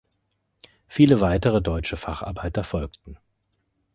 Viele weitere deutsche Facharbeiter folgten.